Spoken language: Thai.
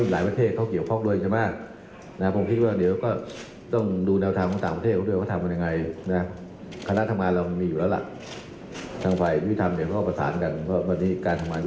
แล้วนั่นคือแค่ทางคงสือพิน